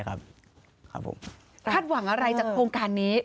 คาดหวังอะไรจากโครงการนี้